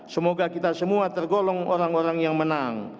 semoga kita semua tergolong orang orang yang menang